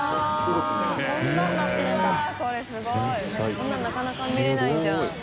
海鵑覆なかなか見れないじゃん。